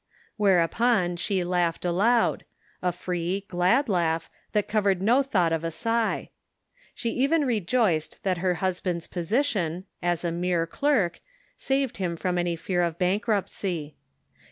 Whereupon she laughed aloud — a free, glad laugh, that covered no thought of a sigh ; she even rejoiced that her husband's position, as a mere clerk, saved him from any fear of bankruptcy.